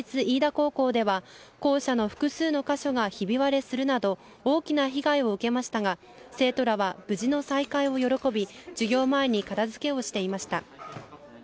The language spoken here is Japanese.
高校では、校舎の複数の箇所がひび割れするなど、大きな被害を受けましたが、生徒らは無事の再会を喜び、授業前に片づけをしていました。